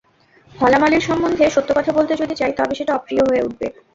হলা মালীর সম্বন্ধে সত্য কথা বলতে যদি চাই তবে সেটা অপ্রিয় হয়ে উঠবে।